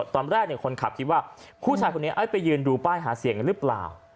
ตอนแรกคนขับคิดว่าผู้ชายคนนี้ไปยืนดูป้ายหาเสียงหรือเปล่า